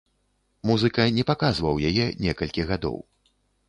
Музыка не паказваў яе некалькі гадоў.